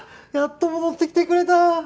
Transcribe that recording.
やっと戻ってきてくれた！